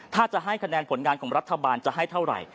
ถ้าจะให้คะแนนผลงานของรัฐบาลจะให้เท่าไหร่